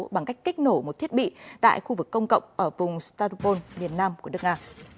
bằng cách kích nổ một thiết bị tại khu vực công cộng ở vùng staropol miền nam của nước nga